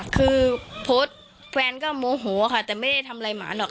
คือโพสต์แฟนก็โมโหค่ะแต่ไม่ได้ทำอะไรหมาหรอก